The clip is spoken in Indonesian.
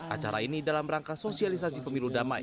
acara ini dalam rangka sosialisasi pemilu damai